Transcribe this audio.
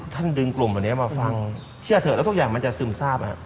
ดึงกลุ่มเหล่านี้มาฟังเชื่อเถอะแล้วทุกอย่างมันจะซึมทราบ